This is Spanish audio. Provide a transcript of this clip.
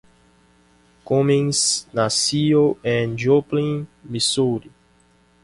Cummings nació en Joplin, Missouri.